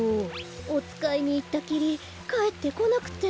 おつかいにいったきりかえってこなくて。